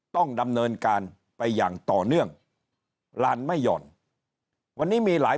ต้องดำเนินการไปอย่างต่อเนื่องลานไม่หย่อนวันนี้มีหลาย